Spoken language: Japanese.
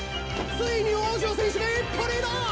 ついに王城選手が一歩リード！